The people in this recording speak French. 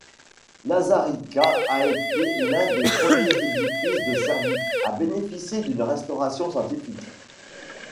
Lazarica a été l'un des premiers édifices de Serbie a bénéficier d'une restauration scientifique.